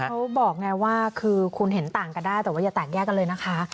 อย่างที่เขาบอกง่ายว่าคือคุณเห็นต่างก็ได้